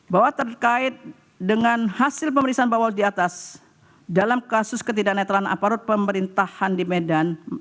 bahwa terkait dengan hasil pemeriksaan bawal di atas dalam kasus ketidakneutralan aparatur pemerintahan di medan